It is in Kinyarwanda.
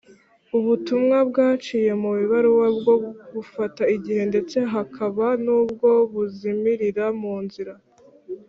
ubutumwa bwaciye mu ibaruwa bwo bufata igihe ndetse hakaba n’ubwo buzimirira mu nzira